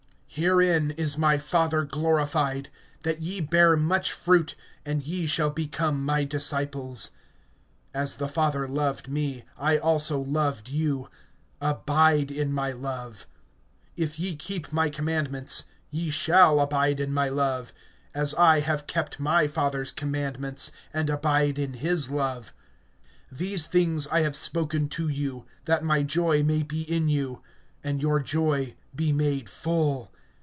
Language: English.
(8)Herein is my Father glorified, that ye bear much fruit; and ye shall become my disciples. (9)As the Father loved me, I also loved you; abide in my love. (10)If ye keep my commandments, ye shall abide in my love; as I have kept my Father's commandments, and abide in his love. (11)These things I have spoken to you, that my joy may be in you, and your joy be made full.